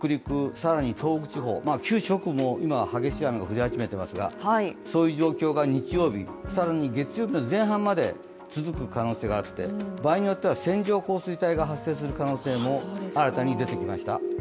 更に東北地方、九州北部も今は激しい雨が降り始めていますがそういう状況が日曜日、更に月曜日の前半まで続く可能性があって、場合によっては線状降水帯が発生する可能性も新たに出てきました。